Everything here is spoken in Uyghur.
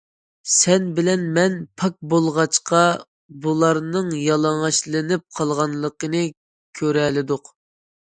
سەن بىلەن مەن پاك بولغاچقا بۇلارنىڭ يالىڭاچلىنىپ قالغانلىقىنى كۆرەلىدۇق.